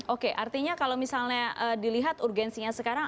oke artinya kalau misalnya dilihat urgensinya sekarang